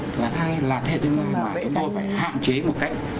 thế hệ tương lai mà chúng tôi phải hạn chế một cách